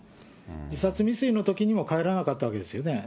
自殺未遂のときにも帰らなかったわけですよね。